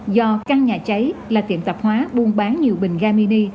do căn nhà cháy là tiệm tạp hóa buôn bán nhiều bình ga mini